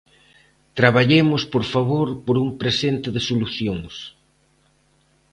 Traballemos, por favor, por un presente de solucións.